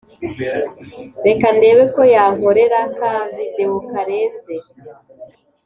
Reka ndebe ko yankorera ka video karenze